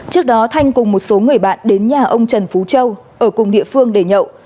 trước đó thanh cùng một số người bạn đến nhà ông trần phú châu ở cùng địa phương để nhậu